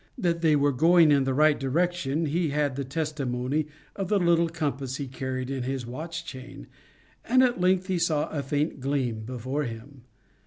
That they were going in the right direction, he had the testimony of the little compass he carried at his watch chain, and at length he saw a faint gleam before him.